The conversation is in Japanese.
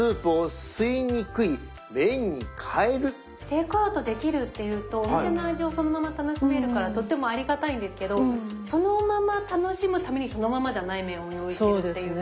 テイクアウトできるっていうとお店の味をそのまま楽しめるからとってもありがたいんですけどそのまま楽しむためにそのままじゃない麺を用意してるっていう。